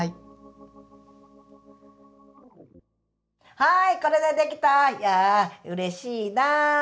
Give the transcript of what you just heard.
はいこれで出来たいやうれしいなと